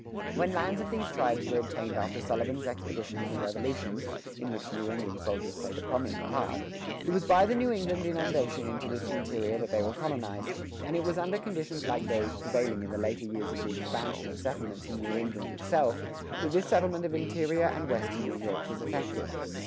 When lands of these tribes were obtained after Sullivan's expedition in the Revolution (in which New England soldiers played a prominent part), it was by the New England inundation into this interior that they were colonized. And it was under conditions like those prevailing in the later years of the expansion of settlements in New England itself, that this settlement of interior and western New York was effected.